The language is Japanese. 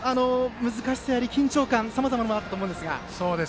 難しさや緊張感さまざまあったと思います。